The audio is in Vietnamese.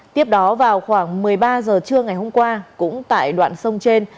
tiếp đó vào khoảng một mươi ba h trưa ngày hôm qua cũng tại đoạn sông trên